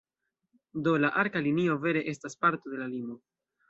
Do la arka linio vere estas parto de la limo.